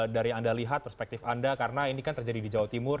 dari yang anda lihat perspektif anda karena ini kan terjadi di jawa timur